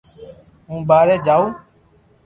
ھون ٻاري جاو